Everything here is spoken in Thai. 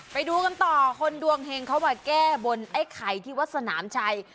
ไปดูกันต่อคนดวงเฮงเขามาแก้บนไอ้ไข่ที่วัดสนามชัย